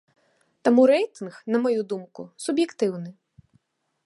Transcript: Таму рэйтынг, на маю думку, суб'ектыўны.